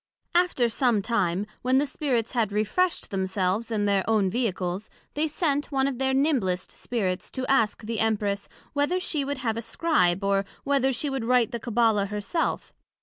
After some time, when the Spirits had refreshed themselves in their own Vehicles, they sent one of their nimblest Spirits, to ask the Empress, Whether she would have a Scribe, or, whether she would write the Cabbala her self?